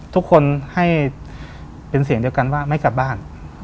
ทุกคนให้เป็นเสียงเดียวกันว่าไม่กลับบ้าน